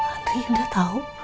andri indra tahu